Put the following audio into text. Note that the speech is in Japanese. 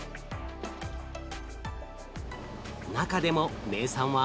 中でも名産は。